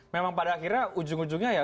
memang pada akhirnya ujung ujungnya ya